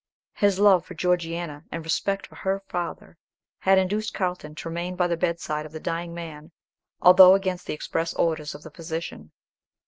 His love for Georgiana, and respect for her father, had induced Carlton to remain by the bedside of the dying man, although against the express orders of the physician.